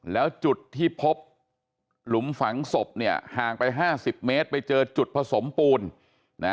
แล้วจุดที่พบหลุมฝังศพเนี่ยห่างไปห้าสิบเมตรไปเจอจุดผสมปูนนะ